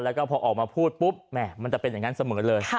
แล้วก็พอออกมาพูดปุ๊บแม่มันจะเป็นอย่างนั้นเสมอเลย